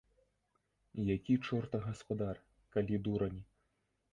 Які чорта гаспадар, калі дурань?